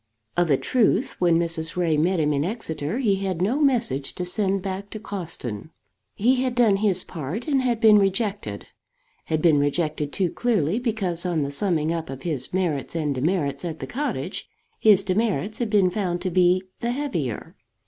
Of a truth when Mrs. Ray met him in Exeter he had no message to send back to Cawston. He had done his part, and had been rejected; had been rejected too clearly because on the summing up of his merits and demerits at the cottage, his demerits had been found to be the heavier.